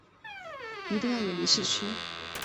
一定要远离市区